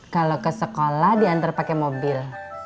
kalau ke sekolah diantar pakai mobil